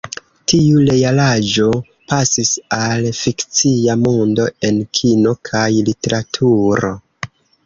Tiu realaĵo pasis al fikcia mondo en kino kaj literaturo.